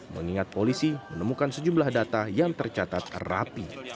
mengingat polisi menemukan sejumlah data yang tercatat rapi